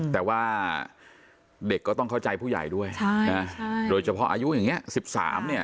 แต่ว่าเด็กก็ต้องเข้าใจผู้ใหญ่ด้วยโดยเฉพาะอายุอย่างนี้๑๓เนี่ย